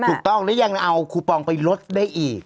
ถูกต้องและยังเอาคูปองไปลดได้อีก